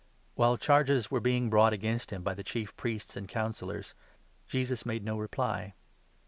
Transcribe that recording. While charges were being brought against him by the Chief Priests and Councillors, Jesus made no reply.